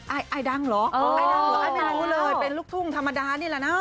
อายดังหรอเป็นลูกทุ่มธรรมดานี่แหละนะ